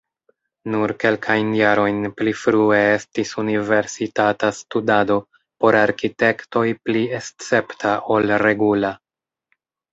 Nur kelkajn jarojn pli frue estis universitata studado por arkitektoj pli escepta ol regula.